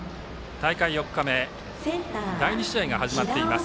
大会４日目第２試合が始まっています。